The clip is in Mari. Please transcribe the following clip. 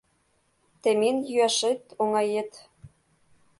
Темен йӱашет оҥает.